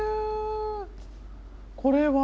これは？